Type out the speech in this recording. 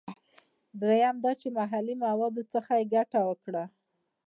دریم دا چې له محلي موادو څخه یې ګټه وکړه.